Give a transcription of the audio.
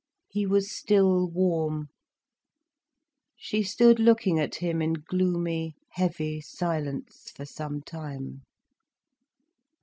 He was still warm. She stood looking at him in gloomy, heavy silence, for some time.